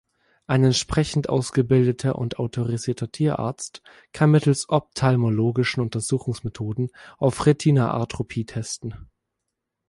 Ein entsprechend ausgebildeter und autorisierter Tierarzt kann mittels ophthalmologischen Untersuchungsmethoden auf Retina-Atrophie testen.